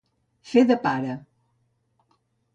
Fer de pare.